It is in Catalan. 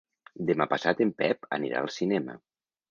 Demà passat en Pep anirà al cinema.